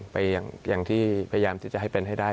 ไปอย่างที่พยายามที่จะให้เป็นให้ได้